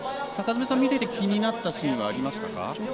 坂爪さん、見ていて気になったシーンありましたか？